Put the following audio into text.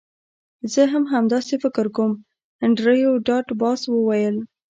زه هم همداسې فکر کوم انډریو ډاټ باس وویل